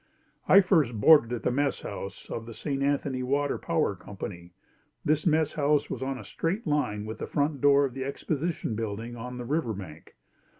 I first boarded at the messhouse of the St. Anthony Water Power Company. This messhouse was on a straight line with the front door of the Exposition Building on the river bank.